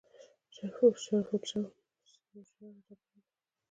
شرف الشمس یوه ژیړه ډبره ده.